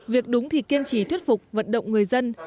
việc đúng thì kiên trì thuyết phục vận động người dân